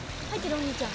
お兄ちゃん。